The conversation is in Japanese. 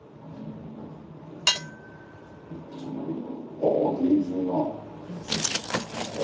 あ厳重な。